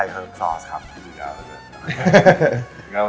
พอร์ตวิธีการทำ